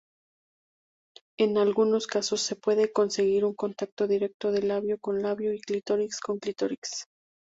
En algunos casos se puede conseguir un contacto directo de labio-con-labio y clítoris-con-clítoris.